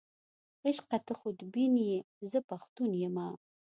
عشقه ته خودبین یې، زه پښتون یمه.